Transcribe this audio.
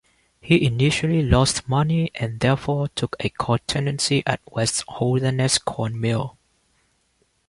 He initially lost money and therefore took a co-tenancy at West's Holderness Corn Mill.